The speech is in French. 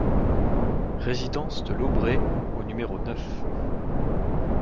Résidence de l'Aubrée au numéro neuf